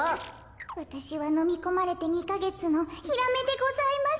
わたしはのみこまれて２かげつのヒラメでございます。